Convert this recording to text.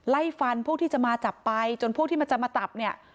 ไล่ฟันพวกที่จะมาจับไปจนพวกที่มันจะมาตับเนี่ย